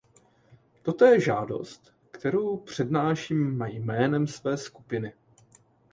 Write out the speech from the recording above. Toto je žádost, kterou přednáším jménem své skupiny.